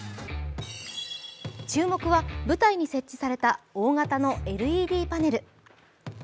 注目は舞台に設置された大型のＬＥＤパネル。